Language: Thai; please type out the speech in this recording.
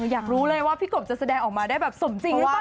อยากรู้เลยว่าพี่กบจะแสดงออกมาได้แบบสมจริงหรือเปล่า